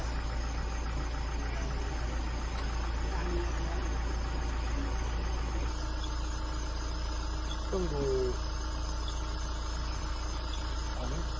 ผมอยู่กับพี่พี่สำหรับสิ่งที่หมดแล้ว